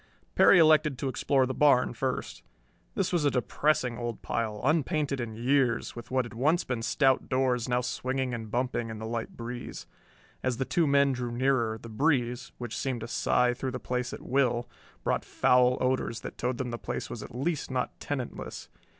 Perry elected to explore the barn first. This was a depressing old pile, unpainted in years, with what had once been stout doors now swinging and bumping in the light breeze. As the two men drew nearer, this breeze which seemed to sigh through the place at will brought foul odors that told them the place was at least not tenantless.